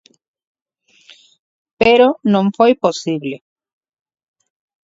Pero non foi posible.